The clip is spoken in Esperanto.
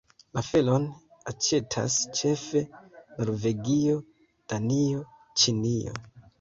La felon aĉetas ĉefe Norvegio, Danio, Ĉinio.